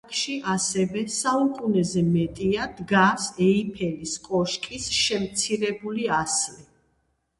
ქალაქში ასევე საუკუნეზე მეტია დგას ეიფელის კოშკის შემცირებული ასლი.